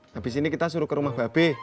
habis ini kita suruh ke rumah babe